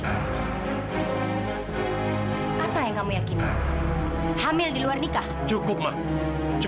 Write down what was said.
mau gak jadi cewek gue